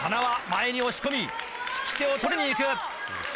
塙前に押し込み利き手を取りに行く。